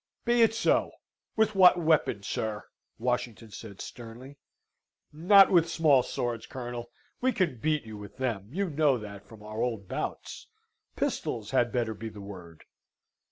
"Be it so with what weapon, sir?" Washington said sternly. "Not with small swords, Colonel. We can beat you with them. You know that from our old bouts. Pistols had better be the word."